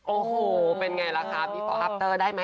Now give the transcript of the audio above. โอ้โหเป็นไงล่ะค่ะพี่ขอฮัปเตอร์ได้ไหมค่ะ